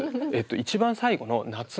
一番最後の「夏の風」。